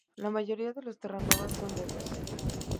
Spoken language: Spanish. La mayoría de los Terranova son negros.